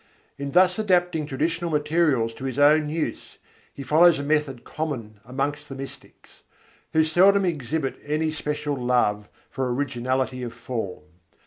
In thus adapting traditional materials to his own use he follows a method common amongst the mystics; who seldom exhibit any special love for originality of form.